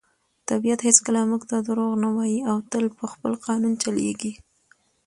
طبیعت هیڅکله موږ ته دروغ نه وایي او تل په خپل قانون چلیږي.